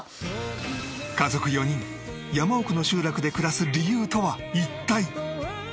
家族４人山奥の集落で暮らす理由とは一体？